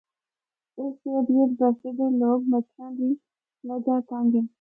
اس دے اردگرد بسے دے لوگ مچھراں دی وجہ تنگ ہن۔